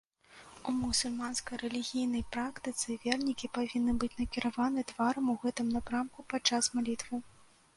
У мусульманскай рэлігійнай практыцы вернікі павінны быць накіраваны тварам у гэтым напрамку падчас малітвы.